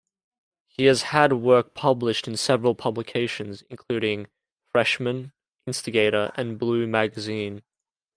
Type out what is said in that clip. He has had work published in several publications, including "Freshmen", "Instigator" and "Blue magazine".